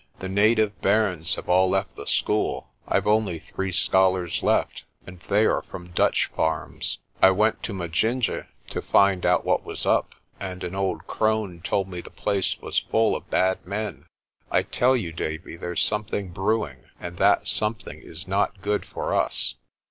"The native bairns have all left the school. Pve only three scholars left, and they are from Dutch farms. I went to Majinje to find out what was up, and an old crone told me the place was full of bad men. I tell you, Davie, there's something brewing, and that something is not good for us."